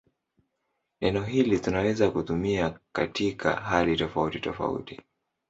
Neno hili tunaweza kutumia katika hali tofautitofauti.